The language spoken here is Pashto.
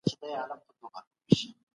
ډیجیټل ډیپلوماسي په عصري نړۍ کي رول لري.